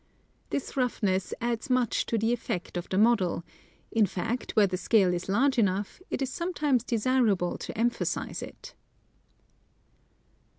This roughness adds much to the effect of the model ; in fact, where the scale is large enough, it is sometimes desirable to emphasize it.